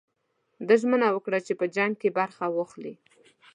ده ژمنه وکړه چې په جنګ کې برخه واخلي.